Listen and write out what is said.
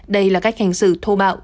đây là cách hành xử thô bạo